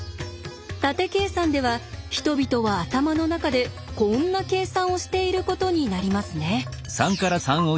縦計算では人々は頭の中でこんな計算をしていることになりますね。